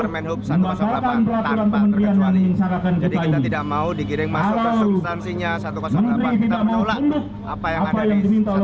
masuk ke substansinya satu ratus delapan kita menolak apa yang ada di satu ratus delapan